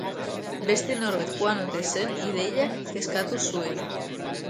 Beste norabait joan ote zen ideiak kezkatu zuen.